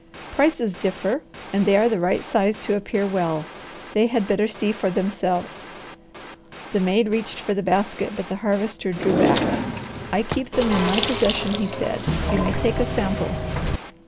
"Prices differ, and they are the right size to appear well. They had better see for themselves." The maid reached for the basket, but the Harvester drew back. "I keep them in my possession," he said. "You may take a sample."